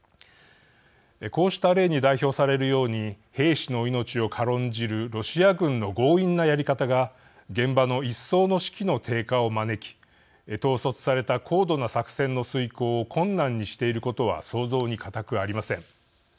こうした例に代表されるように兵士の命を軽んじるロシア軍の強引なやり方が現場の一層の士気の低下を招き統率された高度な作戦の遂行を困難にしていることは想像に難くありません。